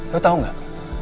lo tau gak